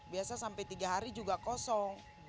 biasa sampai tiga hari juga kosong